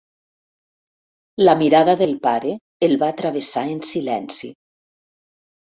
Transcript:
La mirada del pare el va travessar en silenci.